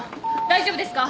大丈夫ですか？